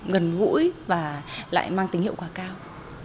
gần gũi và lại mang tính hiệu quả cao